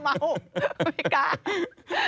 ไม่กล้า